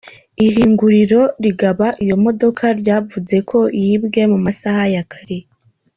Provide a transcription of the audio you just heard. Ihinguriro rigaba iyo modoka, ryavuze ko yibwe mu masaha ya kare.